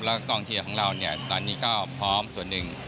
แล้วกองเชียร์ของเราเนี่ยตอนนี้ก็พร้อมส่วนหนึ่ง